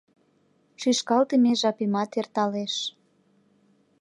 Шӱшкалтыме жапемат эрталеш.